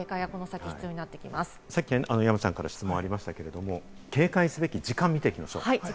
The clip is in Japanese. さっき山ちゃんから質問がありましたが警戒すべき時間を見ていきましょうか。